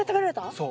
そう。